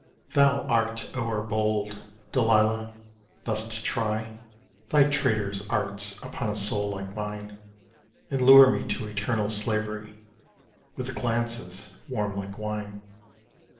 Thou art o'erbold, Delilah, thus to try Thy traitorous arts upon a soul like mine, And lure me to eternal slavery With glances warm like wine.